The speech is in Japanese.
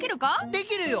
できるよ。